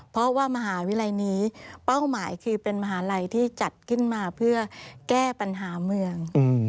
เพราะว่ามหาวิทยาลัยนี้เป้าหมายคือเป็นมหาลัยที่จัดขึ้นมาเพื่อแก้ปัญหาเมือง